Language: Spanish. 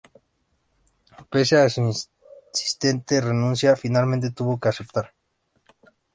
Pese a su insistente renuncia, finalmente tuvo que aceptar.